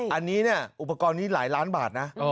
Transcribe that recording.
อันนี้เนี่ยอุปกรณ์นี้หลายล้านบาทนะ